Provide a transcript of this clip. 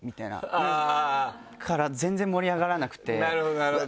なるほどなるほど。